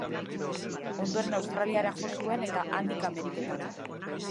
Ondoren Australiara jo zuen eta handik Ameriketara.